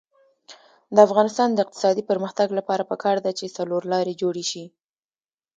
د افغانستان د اقتصادي پرمختګ لپاره پکار ده چې څلورلارې جوړې شي.